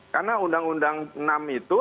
karena undang undang enam itu